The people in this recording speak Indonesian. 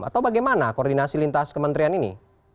atau bagaimana koordinasi lintas kementerian ini